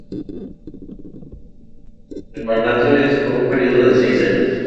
El mandato es por un periodo de seis años.